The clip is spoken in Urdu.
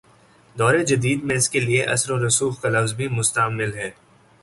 دور جدید میں اس کے لیے" اثرورسوخ کا لفظ بھی مستعمل ہے۔